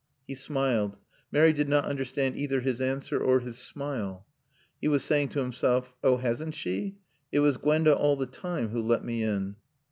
He smiled. Mary did not understand either his answer or his smile. He was saying to himself, "Oh, hasn't she? It was Gwenda all the time who let me in."